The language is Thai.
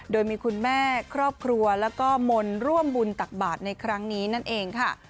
โดยมีคุณแม่ครอบครัวแล้วก็มนต์ร่วมบุญตักบาทในครั้งนี้นั่นเองค่ะ